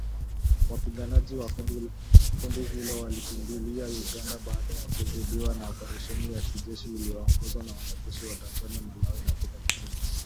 Wapiganaji wa kundi hilo walikimbilia Uganda baada ya kuzidiwa na oparesheni ya kijeshi yaliyoongozwa na wanajeshi wa Tanzania, Malawi na Afrika kusini